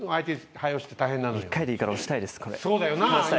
１回でいいから押したいですこれ。